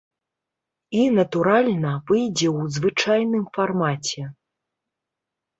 І, натуральна, выйдзе ў звычайным фармаце.